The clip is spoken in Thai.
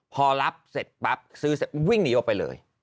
พอรับเสร็จปั๊บซื้อเสร็จวิ่งหนีออกไปเลย